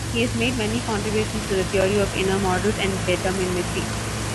He has made many contributions to the theory of inner models and determinacy.